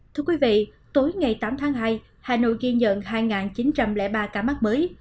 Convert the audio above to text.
thưa quý vị tối ngày tám tháng hai hà nội ghi nhận hai chín trăm linh ba ca mắc mới